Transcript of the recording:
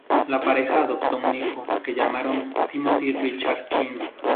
La pareja adoptó un hijo al que llamaron Timothy Richard Quine.